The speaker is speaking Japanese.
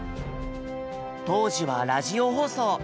当時はラジオ放送。